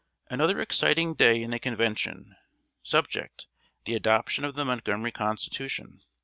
] March 21. Another exciting day in the Convention. Subject: "The adoption of the Montgomery Constitution."